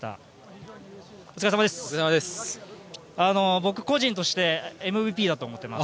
僕個人としてＭＶＰだと思っています。